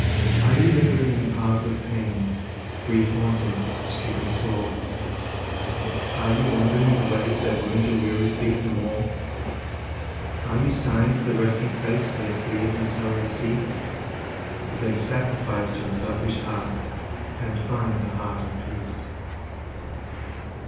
Are you ling'ring in the paths of pain, grief haunted, stricken sore? Are you wand'ring in the ways that wound your weary feet the more? Are you sighing for the Resting Place where tears and sorrows cease? Then sacrifice your selfish heart and find the Heart of Peace.